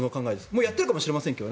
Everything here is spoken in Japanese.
もうやってるかもしれないですが。